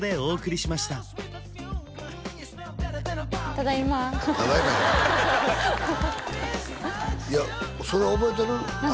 ただいまただいまいやそれは覚えてる？